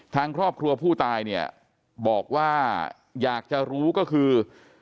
ทางครอบครัวผู้ตายเนี่ยบอกว่าอยากจะรู้ก็คือ